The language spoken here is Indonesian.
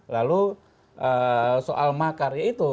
lalu soal makarnya itu